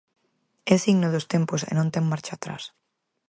É signo dos tempos e non ten marcha atrás.